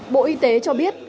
bộ y tế cho biết